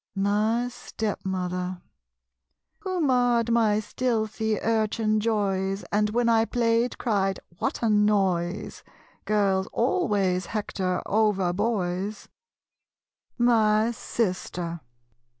My Stepmother. Who marred my stealthy urchin joys And when I played cried "What a noise?" Girls always hector over boys My Sister.